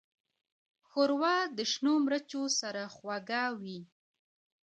ښوروا د شنو مرچو سره خوږه وي.